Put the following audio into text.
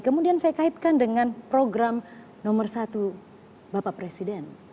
kemudian saya kaitkan dengan program nomor satu bapak presiden